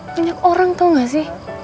banyak orang tahu gak sih